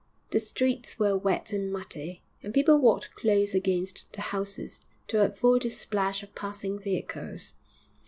The streets were wet and muddy, and people walked close against the houses to avoid the splash of passing vehicles.